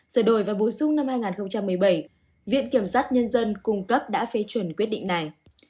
sửa đổi và bổ sung năm hai nghìn một mươi bảy viện kiểm sát nhân dân cung cấp đã phê chuẩn quyết định này